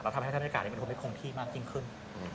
แล้วทำให้ชั้นบรรยากาศมีความไม่คงที่มากยิ่งขึ้น